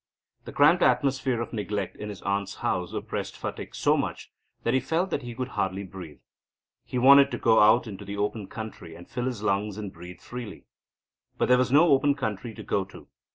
The cramped atmosphere of neglect in his aunt's house oppressed Phatik so much that he felt that he could hardly breathe. He wanted to go out into the open country and fill his lungs and breathe freely. But there was no open country to go to.